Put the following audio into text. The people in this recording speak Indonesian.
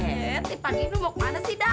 eh pak gino mau kemana sih dah